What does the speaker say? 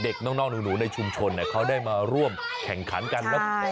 เด็กนอกหนูในชุมชนเนี่ยเขาได้มาร่วมแข่งขันกัน